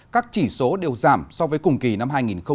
các chỉ số đều giảm so với cùng kỳ năm hai nghìn một mươi tám